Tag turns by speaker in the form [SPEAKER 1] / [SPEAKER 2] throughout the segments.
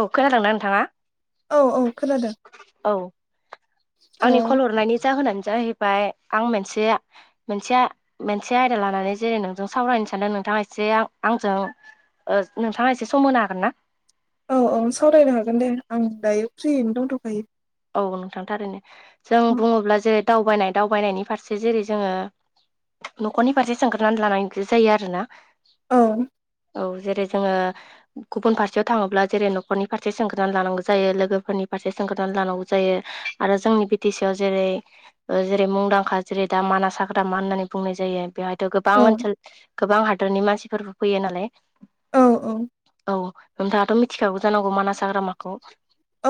[SPEAKER 1] औ खोनादों ना नोंथाङा?
[SPEAKER 2] औ औ खोनादों
[SPEAKER 1] औ
[SPEAKER 2] औ
[SPEAKER 1] आंनि कल' हरनायनि जाहोनानो जाहै बाय आं मोनसे मोनसे मोनसे आयदा लानानै जेरै नोंजों सावरायनो सानदों नोंथाङा एसें आंजों नोंथाङा एसे सम होनो हागोन ना
[SPEAKER 2] औ औ सावरायनो हागोन दे आं दायो फ्रियैनो दंथ'खायो
[SPEAKER 1] औ नोंथांथारैनो जों बुङोब्ला जेरै दावबायनाय दावबायनायनि फारसे जेरै जोङो न'खरनि फारसे सोंग्रनानै लानायांग जायो आरो ना
[SPEAKER 2] औ
[SPEAKER 1] औ जेरै जोङो गुबुन फारसेयाव थाङोब्ला जेरै' न'खरनि फारसे सोंख्रोनानै लानांगौ जायो! लोगोफोरनि फारसे सोंखोनान लानांगौ। जायो आरो जोंनि बि टि सि आव जेरै जेरै मुंदांखा जेरै दा माना साग्राा मान होननानै बुंनाय जायो बेहाय गोबां
[SPEAKER 2] औ
[SPEAKER 1] ओनसोल गोबां हादरनि मानसिफोरबो फैयो नालाय
[SPEAKER 2] औ औ
[SPEAKER 1] औ नोंथाङाथ' मिथिखागौ जानांगौ मानास हाग्रामाखौ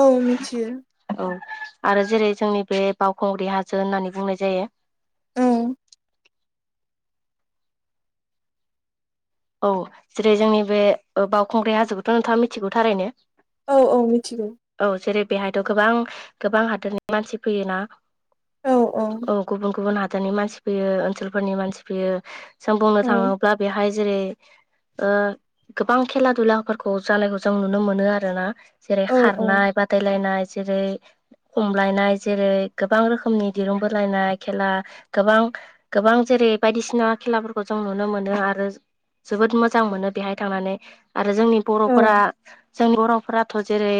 [SPEAKER 2] औ मिथियो
[SPEAKER 1] औ आरो जेरै जोंनि बे बावखुंग्रि हाजो होननानै बुंनाय जायो
[SPEAKER 2] औ
[SPEAKER 1] औ जेरै जोंनि बे बावखुंग्रि हाजोखौथ' नोंथाङा मिथिगौ थारैनो
[SPEAKER 2] औ औ मिथिगौ
[SPEAKER 1] औ जेरै बेहायथ' गोबां गोबां हादोरनि मानसि फैय ना
[SPEAKER 2] औ औ
[SPEAKER 1] गुबुन गुबुन हादरनि मानसि फैयो ओनसोलफोरनि मानसि फैयो जों बुंनो
[SPEAKER 2] औ
[SPEAKER 1] थाङोब्ला बेहाय जेरै गोबां खेला दुलाफोरखौ जानायखौ जों नुनो मोनो आरो ना जेरै
[SPEAKER 2] औ औ
[SPEAKER 1] खारनाय बादायलायनाय जेरै हमलायनाय जेरै गोबां रोखोमनि दिरुं बोलायनाय खेला गोबां गोबां जेरै बायदिसिना खेलाफोरखौ जों नुनो मोनो आरो जोबोद मोजां मोनो बेहाय थांनानै आरो जोंनि
[SPEAKER 2] औ
[SPEAKER 1] बर'फोरा जोंनि बर'फोराथ' जेरै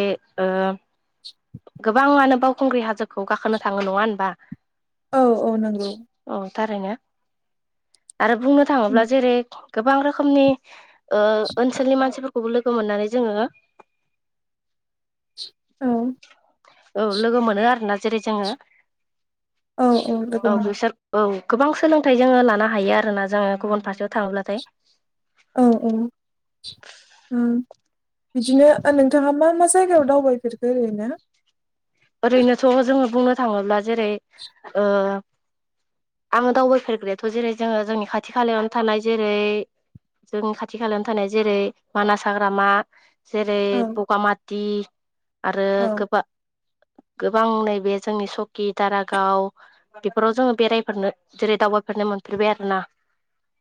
[SPEAKER 1] गोबाङानो बावखुंग्रि हाजोखौ गाखोनो थाङो नङा होनबा
[SPEAKER 2] औ औ नंगौ
[SPEAKER 1] औ थारैनो आरो बुंनो थाङोब्ला जेरै गोबां रोखोमनि ओनसोलनि मानसिफोरखौबो लोगो मोननानै जोङो औ
[SPEAKER 2] औ
[SPEAKER 1] लोगो मोनो आरोोना जेरै जोङो
[SPEAKER 2] औ लोगो
[SPEAKER 1] औ
[SPEAKER 2] मोन
[SPEAKER 1] सार औ गोबां सोलोंथाइ जोङो लानो हायो आरोोना जोङो गुबुन फारसेयाव थाङोब्लाथाय
[SPEAKER 2] औ औ बिदिनो नोंथाङा मा मा जायगायाव दावबायफेरखो ओरैनो
[SPEAKER 1] ओरैनोथ' जोङो बुंनो थाङोब्ला जेरै आङो दावबायफेरग्रायाथ' जेरै जोङो जोंनि खाथि खालायावनो थानाय जेरै जों खाथि खालायाव थानाय जेरै मानास हाग्रामा जेरै
[SPEAKER 2] औ
[SPEAKER 1] बगामाथि आरो
[SPEAKER 2] औ
[SPEAKER 1] गोबाब गोबां नैबे जोंनि सकि दारागाव बेफोराव जोङो बेरायफोरनो जेरै दावबायफोरनो मोनफेरबाय आरो ना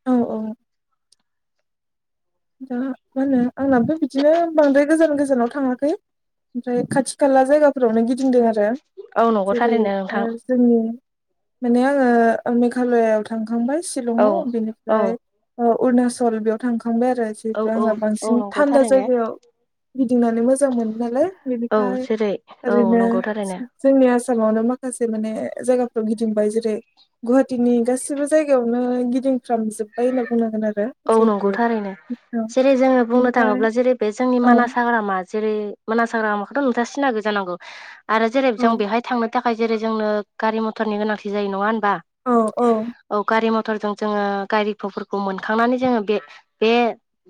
[SPEAKER 2] औ औ दा मा होनो आंनाबो बिदिनो बांद्राय गोजान गोजानाव थाङाखै ओमफ्राय खाथि खाला जायगाफोरावनो गिदिंदों आरो
[SPEAKER 1] औ नंगौ
[SPEAKER 2] जेरै
[SPEAKER 1] थारैनो नोंथां
[SPEAKER 2] जोंनि माने आङो मेघालयआव
[SPEAKER 1] औ
[SPEAKER 2] थांखांबायशलंआव
[SPEAKER 1] औ
[SPEAKER 2] बिनिफ्राय अरुणचल बेयाव थांखांबाय आरो
[SPEAKER 1] औ
[SPEAKER 2] जिहेथु
[SPEAKER 1] औ
[SPEAKER 2] आंहा
[SPEAKER 1] औ
[SPEAKER 2] बांसिन
[SPEAKER 1] नंगौ
[SPEAKER 2] थान्दा
[SPEAKER 1] थारैनो
[SPEAKER 2] जायगायाव गिदिंनानै मोजां मोनो नालाय
[SPEAKER 1] औ
[SPEAKER 2] बेनिफ्राय
[SPEAKER 1] जेरै औ
[SPEAKER 2] ओरैनो
[SPEAKER 1] नंगौ थारैनो
[SPEAKER 2] जोंनि आसामावनो माखासे माने जायगाफ्राव गिदिंबाय जेरै गुवाहाटिनि गासिबो जायगायावनो गिदिंफ्रामजोबबाय होनना बुंनांगोन आरो
[SPEAKER 1] औ
[SPEAKER 2] जिहेथु
[SPEAKER 1] नंगौ थारैनो
[SPEAKER 2] औ
[SPEAKER 1] जेरै जोंङो बुंनो
[SPEAKER 2] बेनिफ्राय
[SPEAKER 1] थाङोब्ला जेरै बे जोंनि
[SPEAKER 2] औ
[SPEAKER 1] मानास हाग्रामा। जेरै मोनास हाग्रामा बेफोरखौथ' नोंथाङा सिनायो जानांगौ आरो जेरै
[SPEAKER 2] औ
[SPEAKER 1] जों बेहाय थांनो थाखाय जेरै जोंनो गारि मथरनि गोनांथि जायो नङा होनबा
[SPEAKER 2] औ औ।
[SPEAKER 1] औ गारि मथरजों जोंङो गारिफोरखौ मोनखांनानै जोंङो बे बे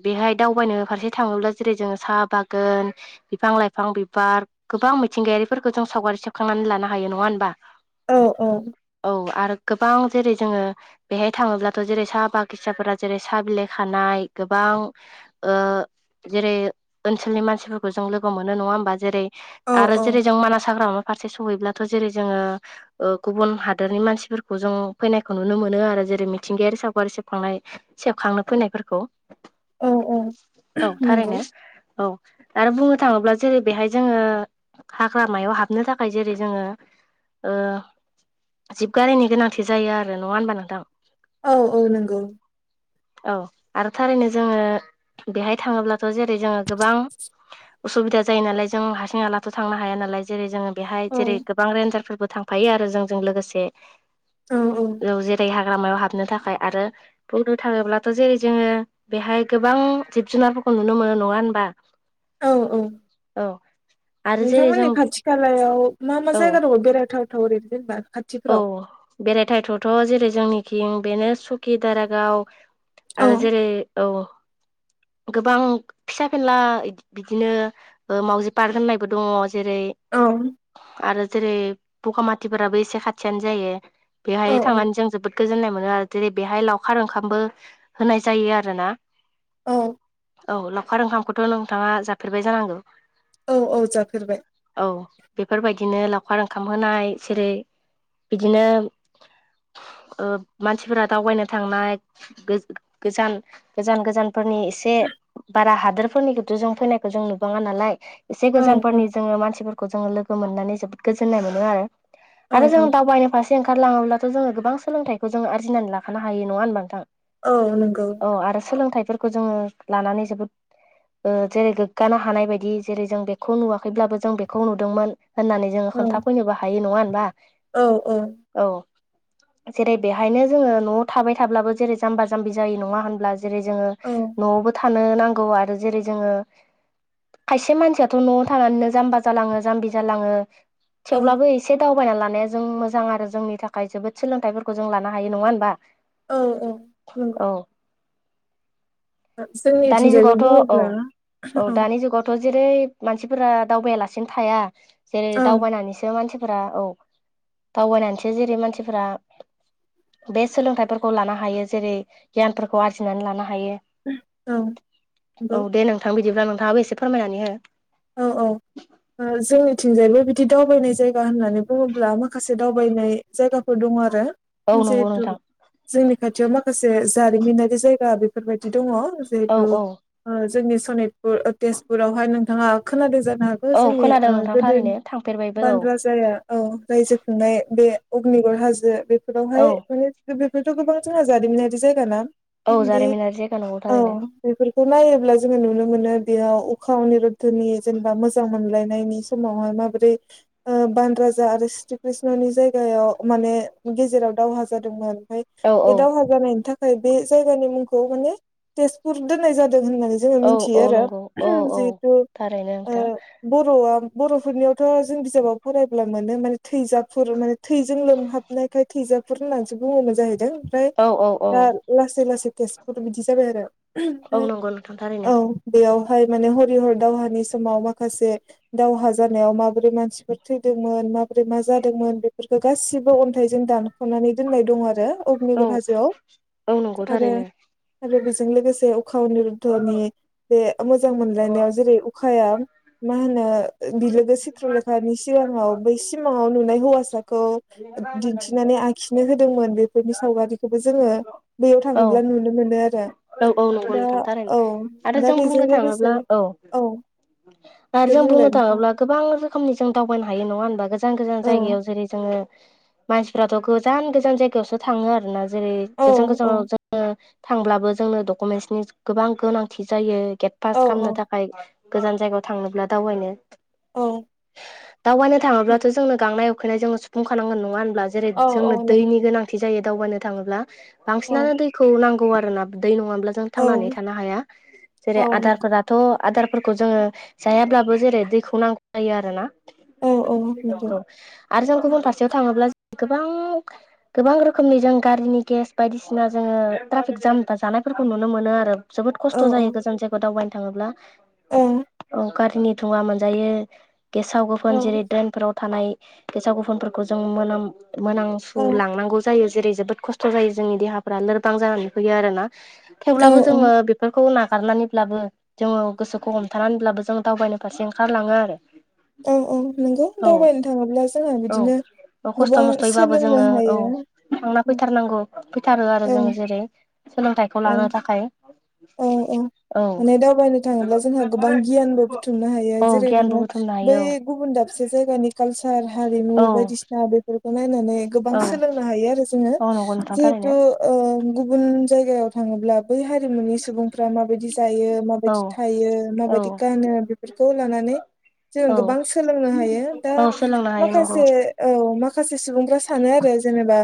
[SPEAKER 1] बेहाय दावबायनो फारसे थांङोब्ला जेरै जोंङो साहा बागान बिफां लाइफां बिबार गोबां मिथिंगायारिफोरखौ जों सावगारि सेबखांनानै लानो हायो नङा होमबा।
[SPEAKER 2] औ औ
[SPEAKER 1] औ आरो गोबां जेरै जोङो बेहाय थाङोब्लाथ' जेरै साहा बागिसाफोरा जेरै साहा बिलाइ खानाय गोबां। ओ जेरै ओनसोलनि मानसिफोरखौ जों लोगो मोनो नङा होमबा जेरै।
[SPEAKER 2] औ
[SPEAKER 1] आरो जेरै जों मानास हाग्रामा फारसे सहैब्लाथ' जेरै जोंङो ओ गुबुन हादोरनि मानसिफोरखौ जों फैनायखौ नुनो मोनो आरो जेरै मिथिंगायारि सावगारि सेबखांनाय। सेबखांनो फैनायफोरखौ
[SPEAKER 2] औ औ
[SPEAKER 1] औ
[SPEAKER 2] नंगौ
[SPEAKER 1] थारैनो औ आरो बुंनो थााङोब्ला जेरै बेहाय जोंङो हाग्रामायाव हाबनो थाखाय जेरै जोंङो ओ जिबगारिनि गोनांथि जायो आरो नङा होनबा नोंथां
[SPEAKER 2] औ औ नंगौ।
[SPEAKER 1] औ आरो थारैनो जोंङो बेहाय थाङोब्लाथ' जेरै जोंङो गोबां। उसुबिदा जायो नालाय जों हारसिं हालाथ' थांनो हाया नालाय जेरै जोंङो बेहाय जेरै
[SPEAKER 2] औ
[SPEAKER 1] गोबां रेन्जारफोरबो थांफायो आरो जोंजों लोगोसे
[SPEAKER 2] औ औ
[SPEAKER 1] जेरै हाग्रामायाव हाबनो थाखाय आरो थाङोब्लाथ' जेरै जोंङो बेहाय गोबां जिब जुनारफोरखौ नुनो मोनो नङा होनबा
[SPEAKER 2] औ औ
[SPEAKER 1] औ आरो जेरै
[SPEAKER 2] नोंथांमोननि
[SPEAKER 1] जों
[SPEAKER 2] खाथि खालायाव मा मा
[SPEAKER 1] औ
[SPEAKER 2] जायगा दङ बेरायथाव ओरैनो जेनबा
[SPEAKER 1] औ बेरायथाव थावथ' जेरै जोंनिथिं बेनो सु खि दारागाव
[SPEAKER 2] औ
[SPEAKER 1] आरो जेरै औ गोबां फिसा फेनला बिदिनो मावजि पार्क होननायबो दङ। जेरै
[SPEAKER 2] औ
[SPEAKER 1] आरो जेरै बगामाथिफोराबो एसे खाथियानो जायो।
[SPEAKER 2] औ
[SPEAKER 1] बेहाय थांनानै जों जोबोद गोजोननाय मोनो आरो जेरै बेहाय लावखार ओंखामबो होनाय जायो आरोना।
[SPEAKER 2] औ।
[SPEAKER 1] औ लावखार ओंखामखौथ' नोंथाङा जाफेरबाय जानांगौ।
[SPEAKER 2] औ औ जाफेरबाय।
[SPEAKER 1] औ बेफोरबायदिनो लावखार ओंखाम होनाय जेरै बिदिनो ओ मानसिफोरा दावबायनो थांनाय। गो-गोजान गोजान गोजानफोरनि एसे बारा हादोरफोरनिखौथ' जों फैनायखौ जों नुबाङा नालाय एसे
[SPEAKER 2] औ औ
[SPEAKER 1] गोजानफोरनि जोंङो मानसिफोरखौ जोंङो लोगो मोननानै जोबोद गोजोननाय मोनो आरो
[SPEAKER 2] औ
[SPEAKER 1] आरो जों
[SPEAKER 2] औ
[SPEAKER 1] दावबायनाय फारसे ओंखारलांङोब्लाथ' जोंङो गोबां सोलोंथाइखौ जोंङो आरजिनानै लाखानो हायो। नङा होनबा नोंथां?
[SPEAKER 2] औ नंगौ।
[SPEAKER 1] औ आरो सोलोंथाइफोरखौ जोंङो लानानै जोबोद ओ जेरै गोग्गानो हानाय बायदि जेरै जों बेखौ नुवाखैब्लाबो जों बेखौ नुदोंमोन होननानै जोंङो
[SPEAKER 2] औ
[SPEAKER 1] खोन्थाफैनोबो हायो नङा होनबा
[SPEAKER 2] औ औ।
[SPEAKER 1] औ जेरै बेहायनो जोंङो न'आव थाबाय थाब्लाबो जेरै जाम्बा जाम्बि जायो नङा होनब्ला जेरै जोङो
[SPEAKER 2] औ
[SPEAKER 1] न'आवबो थानो नांगौ आरो जेरै जोंङो खायसे मानसियाथ' न'आव थानानैनो जाम्बा जालाङो जाम्बि जालाङो। थेवब्लाबो एसे दावबायना लानाया जों मोजां आरो जोंनि थाखाय जोबोद सोलोंथाइफोरखौ जों लानो हायो नङा होमबा।
[SPEAKER 2] औ औ नंगौ
[SPEAKER 1] औ दानि
[SPEAKER 2] जोंनिथिंजायबो
[SPEAKER 1] जुगावथ' औ
[SPEAKER 2] बुङोब्ला
[SPEAKER 1] औ दानि जुगाव जेरै मानसिफोरा दावबायलासिनो थाया जेरै
[SPEAKER 2] औ
[SPEAKER 1] दावबायनानैसो मानसिफोरा औ दावबायनानैसो जेरै-मानसिफोरा बे सोलोंथाइफोरखौ लानो हायो जेरै-गियानफोरखौ आरजिनानै लानो हायो
[SPEAKER 2] औ नंगौ
[SPEAKER 1] औ दे नोंथां बिदिब्ला नोंथाङाबो एसे फोरमायनानै हो।
[SPEAKER 2] औ-औ जोंनिथिंजायबो बिदि दावबायनाय जायगा होननानै बुंङोब्ला माखासे दावबायनाय जायगाफोर दङ आरो
[SPEAKER 1] औ नंगौ
[SPEAKER 2] जिहेतु
[SPEAKER 1] नोंथां
[SPEAKER 2] जोंनि खाथियाव माखासे जारिमिनारि जायगा बेफोरबायदि दंङ।
[SPEAKER 1] औ
[SPEAKER 2] जिहेतु
[SPEAKER 1] औ
[SPEAKER 2] ओ जोंनि सनितपुर तेजपुरावहाय नोंथाङा खोनादों जानो हागौ।
[SPEAKER 1] औ
[SPEAKER 2] जोंनि ओ
[SPEAKER 1] खोनादों नोंथां थारैनो
[SPEAKER 2] गोदोनि
[SPEAKER 1] थांफेरबायबो औ
[SPEAKER 2] बान राजा जाया औ रायजो खुंनाय बे अग्निगर हाजो बेफोरावहाय
[SPEAKER 1] औ
[SPEAKER 2] माने बेफोरथ' गोबां जोंहा जारिमिनारि जायगा ना
[SPEAKER 1] औ
[SPEAKER 2] बे
[SPEAKER 1] जारिमिनारि जायगा नंगौ
[SPEAKER 2] औ
[SPEAKER 1] थारैनो।
[SPEAKER 2] बेफोरखौ नायोब्ला जोंङो नुनो मोनो बेयाव उखा अनिरुध्वनि जेनेबा मोजां मोनलायनायनि समावहाय माबोरै ओ बान राजा आरो श्री कृष्णनि जायगायाव माने गेजेराव दावहा जादोंमोन।
[SPEAKER 1] औ औ
[SPEAKER 2] बे दावहा जानायनि थाखाय बे जायगानि मुंखौ माने तेजपुर दोननाय जादों होननानै जोंङो
[SPEAKER 1] औ
[SPEAKER 2] मिथियो
[SPEAKER 1] औ
[SPEAKER 2] आरो
[SPEAKER 1] नंगौ औ औ
[SPEAKER 2] जिहेथु
[SPEAKER 1] थारैनो
[SPEAKER 2] ओ
[SPEAKER 1] नोंथां
[SPEAKER 2] बर'आ बरफोरनियावथ' जों बिजाबाव फरायब्ला मोनो माने थैजाफुर माने थैजों लोमहाबनायखाय थैजाफुर होननानैसो बुंङोमोन जाहैदों ओमफ्राय
[SPEAKER 1] औ औ औ
[SPEAKER 2] दा आसे लासे तेसपुर बिदि जाबाय
[SPEAKER 1] औ नंगौ नोंथां थारैनो
[SPEAKER 2] आरो बेयावहाय माने हरिहर दावहानि समाव माखासे दावहा जानायाव माबोरै मानसिफोर थैदोंमोन माबोरै मा जादोंमोन बेफोरखौ गासिबो अन्थाइजों दान खनानै दोननाय दं आरो
[SPEAKER 1] औ
[SPEAKER 2] अगनिगर हाजोआव
[SPEAKER 1] औ नंगौ
[SPEAKER 2] आरो
[SPEAKER 1] थारैनो
[SPEAKER 2] आरो बेजों लोगोसे उखा निरुधनि बे मोजां मोनलायनायाव जेरै उखाया मा होनो बिलोगो सिथ्रलेखानि सिगाङाव बै सिमाङाव नुनाय हौवासाखौ दिन्थिनानै आ खिनो होदोंमोन बेफोरनि सावगारिखौबो जोंङो बैयाव
[SPEAKER 1] औ
[SPEAKER 2] थाङोब्ला नुनो मोनो आरो।
[SPEAKER 1] औ औ नंगौ
[SPEAKER 2] दा
[SPEAKER 1] नोंथां थारैनो
[SPEAKER 2] औ
[SPEAKER 1] आरो
[SPEAKER 2] दा
[SPEAKER 1] जों बुंनो
[SPEAKER 2] बेजों लोगोसे
[SPEAKER 1] थांङोब्ला औ आरो
[SPEAKER 2] दे
[SPEAKER 1] जों बुंनो
[SPEAKER 2] बुंलाय नोंथां
[SPEAKER 1] थाङोब्ला गोबां रोखोमनि जों दावबायनो हायो नङा होनबा गोजान गोजान
[SPEAKER 2] औ
[SPEAKER 1] जायगायाव जेरै जोङो मानसिफ्राथ' गोजान-गोजान जायगायावसो थाङो आरोना जेरै
[SPEAKER 2] औ
[SPEAKER 1] गोजान
[SPEAKER 2] औ
[SPEAKER 1] गोजानाव जोङो थांब्लाबो जोंनो डकुमेन्टसनि गोबां गोनांथि जायो गेट पास
[SPEAKER 2] औ
[SPEAKER 1] खालामनो था खाय गोजान जायगायाव थांनोब्ला दावबायनो
[SPEAKER 2] औ
[SPEAKER 1] दावबायनो थाङोब्लाथ' जोंनो गांनाय उखैनाय जों सुफुंखानांगोन नङा होनब्ला? जेरै
[SPEAKER 2] औ
[SPEAKER 1] जोंनो
[SPEAKER 2] औ नंगौ
[SPEAKER 1] दैनि गोनांथि जायो दावबायनो थाङोब्ला
[SPEAKER 2] औ
[SPEAKER 1] बांसिनानो दैखौ नांगौ आरोना दै नङाब्ला जों
[SPEAKER 2] औ
[SPEAKER 1] थांनानै थानो हाया जेरै
[SPEAKER 2] औ नंगौ
[SPEAKER 1] आदारफोरा थ' आदारफोरखौ जोंङो जायाब्लाबो जेरै दैखौ नांगौ जायो आरोना।
[SPEAKER 2] औ औ नंगौ
[SPEAKER 1] औ आरो जों
[SPEAKER 2] औ
[SPEAKER 1] गुबुन फारसेयाव थाङोब्ला गोबां गोबां रोखोमनि जों गारिनि गेस बायदिसिना जोंङो ट्राफिक जाम बा जानायफोरखौ नुनो मोनो आरो जोबोद
[SPEAKER 2] औ
[SPEAKER 1] खस्थ
[SPEAKER 2] औ
[SPEAKER 1] जायो गोजान जायगायाव दावबायनो थाङोब्ला।
[SPEAKER 2] औ
[SPEAKER 1] कुकारनि दुंङा मोनजायो गेसाव गोफोन जेरै-ड्रेनफोराव थानाय गेसाव गोफोनफोरखौ जों मोनाम सु
[SPEAKER 2] औ
[SPEAKER 1] लांनांगौ जायो जेरै- जोबोद खस्थ जायो जोंनि देहा लोरबां जानानै फैयो आरो ना
[SPEAKER 2] औ
[SPEAKER 1] थेवब्लाबो जोंङो बेफोरखौ नागारनानैब्लाबो जोंङो गोसोखौ हमथानानैब्लाबो जों दावबायनो फारसे ओंखारलाङो आरो।
[SPEAKER 2] औ-औ नंगौ
[SPEAKER 1] औ
[SPEAKER 2] दावबायनो थांङोब्ला जोंहा
[SPEAKER 1] औ
[SPEAKER 2] बिदिनो
[SPEAKER 1] औ खस्थ'
[SPEAKER 2] गोबां
[SPEAKER 1] मस्थ'यैबाबो जोङो
[SPEAKER 2] सोलोंनो
[SPEAKER 1] औ
[SPEAKER 2] हायो।
[SPEAKER 1] थांना फैथारनांगौ फैथारो आरो
[SPEAKER 2] औ
[SPEAKER 1] जोङो जेरै-सोलोंथाइखौ
[SPEAKER 2] औ
[SPEAKER 1] लानो थाखाय।
[SPEAKER 2] औ औ
[SPEAKER 1] [inaudible]
[SPEAKER 2] माने दावबायनो थाङोब्ला जोंहा गोबां गियानबो बुथुमनो हायो
[SPEAKER 1] औ
[SPEAKER 2] जेरै
[SPEAKER 1] गियानबो
[SPEAKER 2] नोङो
[SPEAKER 1] बुथुमनो
[SPEAKER 2] बै
[SPEAKER 1] हायो
[SPEAKER 2] गुबुन दाबसे जायगानि कालसार हारिमु
[SPEAKER 1] औ
[SPEAKER 2] बायदिसिना बेफोरखौ नायनानै गोबां
[SPEAKER 1] औ
[SPEAKER 2] सोलोंनो हायो आरो जोङो
[SPEAKER 1] औ नंगौ नोंथां थारैनो
[SPEAKER 2] जिहेथु ओ गुबुन जायगायाव थाङोब्ला बै हारिमुनि सुबुंफ्रा माबायदि जायो
[SPEAKER 1] औ
[SPEAKER 2] माबायदि थायो माबायदि
[SPEAKER 1] औ
[SPEAKER 2] गानो बेफोरखौ लानानै जों
[SPEAKER 1] औ
[SPEAKER 2] गोबां सोलोंनो हायो दा
[SPEAKER 1] औ सोलोंनो हायो नंगौ
[SPEAKER 2] माखासे औ माखासे सुबुंफ्रा सानो आरो जेनेबा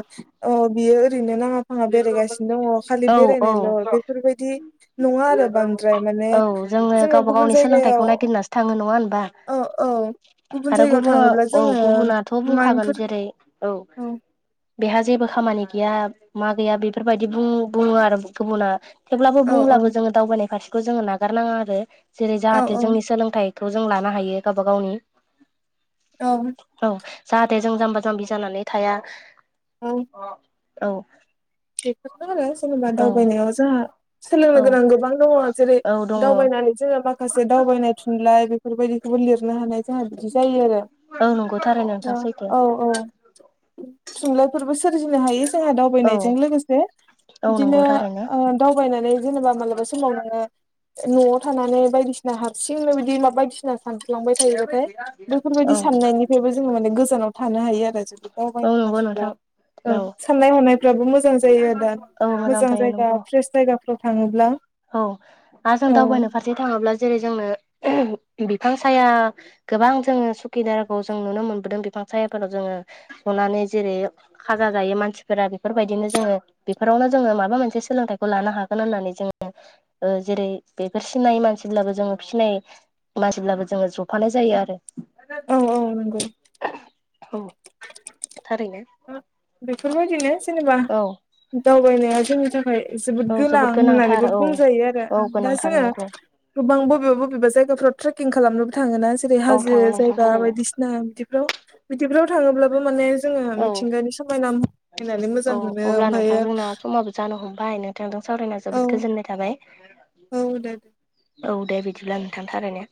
[SPEAKER 2] ओ बियो ओरैनो नाङा फाङा बेरायगासिनो दङ खालि
[SPEAKER 1] औ औ
[SPEAKER 2] बेरायनायल बेफोरबायदि नङा आरो बांद्राय माने
[SPEAKER 1] औ जोङो गावबा
[SPEAKER 2] गुबुन
[SPEAKER 1] गावनि सोलोंथाइखौ
[SPEAKER 2] जायगायाव
[SPEAKER 1] नायगिरनासो थाङो नङा होनबा?
[SPEAKER 2] औ औ गुबुन
[SPEAKER 1] आरो
[SPEAKER 2] जायगायाव
[SPEAKER 1] गुबुना
[SPEAKER 2] थाङोब्ला
[SPEAKER 1] औ
[SPEAKER 2] जोङो
[SPEAKER 1] गुबुनाथ' बुंखागोन
[SPEAKER 2] माइन्डफोर
[SPEAKER 1] जेरै, औ । बेहा जेबो खामानि गैया मा गैया बेफोरबायदि बुं बुङो आरो गुबुना थेवब्लाबो
[SPEAKER 2] औ औ
[SPEAKER 1] बुंब्लाबो जोङो दावबायनाय फारसेखौ जोङो नागारनाङा आरो जेरै
[SPEAKER 2] औ
[SPEAKER 1] जाहाथे
[SPEAKER 2] औ
[SPEAKER 1] जोंनि सोलोंथाइ खौ जों लानो हायो गावबा गावनि
[SPEAKER 2] औ।
[SPEAKER 1] औ जाहाथे जों जाम्बा जाम्बि जानानै थाया।
[SPEAKER 2] औ।
[SPEAKER 1] औ।
[SPEAKER 2] बेफोरनो आरो जेनेबा
[SPEAKER 1] औ
[SPEAKER 2] दावबायनायाव जोंहा सोलोंनो
[SPEAKER 1] औ
[SPEAKER 2] गोनां गोबां दङ जेरै
[SPEAKER 1] औ दङ
[SPEAKER 2] दावबायनानै जोङो माखासे दावबायनाय थुनलाइ बेफोरबायदिखौबो लिरनो हानाय जोंहा बिदि जायो आरो
[SPEAKER 1] औ नंगौ थारैनो नोंथां सैथो
[SPEAKER 2] औ औ। थुनलाइफोरबो सोरजिनो हायो जोंहा
[SPEAKER 1] औ
[SPEAKER 2] दावबायनाय जों लोगोसे
[SPEAKER 1] औ
[SPEAKER 2] बिदिनो
[SPEAKER 1] नंगौ थारैनो
[SPEAKER 2] दावबायनानै जेनेबा मालाबा समाव नोङो न'आव थानानै बायदिसिना हारसिंनो बिदि मा बायदिसिना सानफ्लांबाय थायोबाथाय
[SPEAKER 1] औ
[SPEAKER 2] बेफोरबायदि साननायनिफ्रायबो जोङो माने गोजानाव थानो हायो आरो जुदि
[SPEAKER 1] औ
[SPEAKER 2] दावबायनो
[SPEAKER 1] नंगौ
[SPEAKER 2] थाङोब्ला
[SPEAKER 1] नोंथां औ।
[SPEAKER 2] साननाय हनायफ्राबो मोजां जायो दा
[SPEAKER 1] औ
[SPEAKER 2] मोजां
[SPEAKER 1] जायो
[SPEAKER 2] जायगा
[SPEAKER 1] नंगौ
[SPEAKER 2] फ्रेस जायगाफ्राव थाङोब्ला ।
[SPEAKER 1] औ आरो जों दावबायनो फारसे थाङोब्ला जेरै जोंनो बिफां साया गोबां जोङो सुखिदारखौ जों नुनो मोनबोदों बिफां सायाफोराव जोङो हनानै जेरै खाजा जायो मानसिफोरा बेफोरबायदिनो जोङो बेफोरावनो जोङो माबा मोनसे सोलोंथाइखौ लानो हागोन होननानै। जों जेरै बेफोर सिनायै मानसिब्लाबो जोङो फिनाय मानसिब्लाबो जोङो जफानाय जायो आरो।
[SPEAKER 2] औ औ नंगौ
[SPEAKER 1] औ थारैनो।
[SPEAKER 2] बेफोरबायदिनो जेनेबा
[SPEAKER 1] औ
[SPEAKER 2] दावबायनाया जोंनि थाखाय। थाखाय जोबोद
[SPEAKER 1] औ
[SPEAKER 2] गोनां
[SPEAKER 1] गोनांथार
[SPEAKER 2] होननानैबो
[SPEAKER 1] औ
[SPEAKER 2] बुंजायो आरो
[SPEAKER 1] औ
[SPEAKER 2] दा
[SPEAKER 1] गोनांथार
[SPEAKER 2] जोङो।
[SPEAKER 1] नंगौ
[SPEAKER 2] गोबां बबेबा बबेबा जायगाफ्राव ट्रेकिं खालामनोबो थाङो ना जेरै
[SPEAKER 1] औ
[SPEAKER 2] हाजो
[SPEAKER 1] थाङो नोंथां
[SPEAKER 2] जायगा
[SPEAKER 1] थारैनो
[SPEAKER 2] बायदिसिना ना बिदिफ्राव बिदिफ्राव थाङोब्लाबो माने जोङो
[SPEAKER 1] औ
[SPEAKER 2] मिथिंगानि समायना नायनानै
[SPEAKER 1] औ
[SPEAKER 2] मोजां मोनो ओमफ्रायो
[SPEAKER 1] बिथांजों सावरायनायाव जोबोद
[SPEAKER 2] औ
[SPEAKER 1] गोजोननाय थाबाय ।
[SPEAKER 2] औ दे दे।
[SPEAKER 1] औ दे बिदिब्ला नोंथां थारैनो।